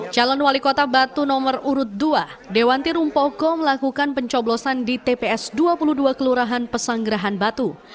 calon wali kota batu nomor urut dua dewanti rumpoko melakukan pencoblosan di tps dua puluh dua kelurahan pesanggerahan batu